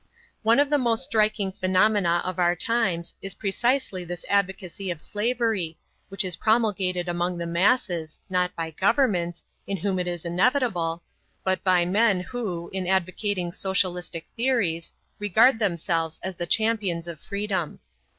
One of the most striking phenomena of our times is precisely this advocacy of slavery, which is promulgated among the masses, not by governments, in whom it is inevitable, but by men who, in advocating socialistic theories, regard themselves as the champions of freedom.